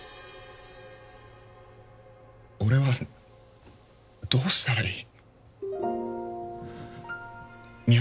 俺はどうしたらいい？